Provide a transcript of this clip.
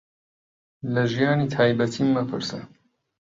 لە ژیانی تایبەتیم مەپرسە.